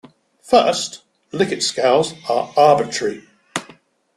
First, Likert scales are arbitrary.